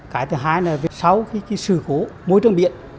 cái thứ hai là sau cái sự khổ mối trường biện